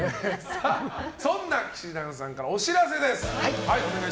そんな氣志團さんからお知らせです。